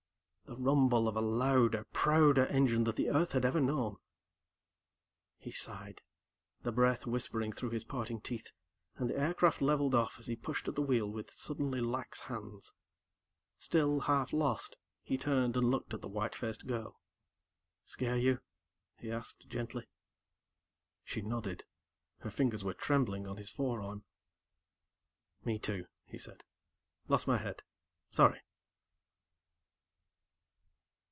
... the rumble of a louder, prouder engine than the Earth had ever known. He sighed, the breath whispering through his parting teeth, and the aircraft leveled off as he pushed at the wheel with suddenly lax hands. Still half lost, he turned and looked at the white faced girl. "Scare you ?" he asked gently. She nodded. Her fingertips were trembling on his forearm. "Me too," he said. "Lost my head. Sorry."